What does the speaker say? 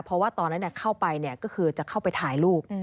เพราะว่าตอนนั้นเข้าไปก็คือจะเข้าไปถ่ายรูป